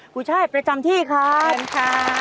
คุณช้าภรรยาธรรมที่ครับ